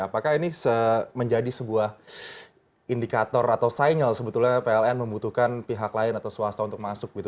apakah ini menjadi sebuah indikator atau signal sebetulnya pln membutuhkan pihak lain atau swasta untuk masuk gitu